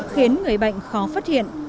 khiến người bệnh khó phát hiện